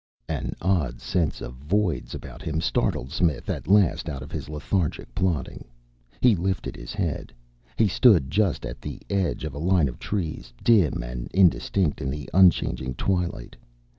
An odd sense of voids about him startled Smith at last out of his lethargic plodding. He lifted his head. He stood just at the edge of a line of trees, dim and indistinct in the unchanging twilight.